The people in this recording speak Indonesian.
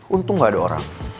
untung ga ada orang